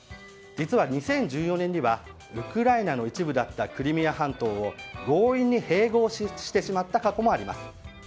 実は２０１４年にはウクライナの一部だったクリミア半島を強引に併合してしまった過去もあります。